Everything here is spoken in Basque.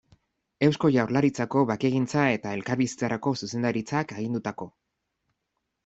Eusko Jaurlaritzako Bakegintza eta Elkarbizitzarako Zuzendaritzak agindutako.